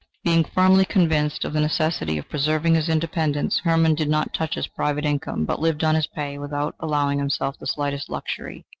Being firmly convinced of the necessity of preserving his independence, Hermann did not touch his private income, but lived on his pay, without allowing himself the slightest luxury.